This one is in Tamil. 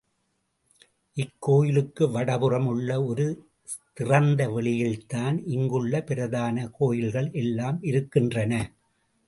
இக்கோயிலுக்கு வடபுறம் உள்ள ஒரு திறந்த வெளியிலேதான் இங்குள்ள பிரதான கோயில்கள் எல்லாம் இருக்கின்றன.